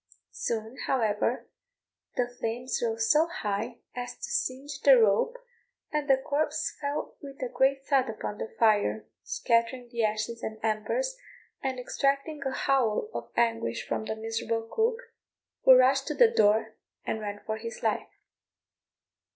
Soon, however, the flames rose so high as to singe the rope, and the corpse fell with a great thud upon the fire, scattering the ashes and embers, and extracting a howl of anguish from the miserable cook, who rushed to the door, and ran for his life.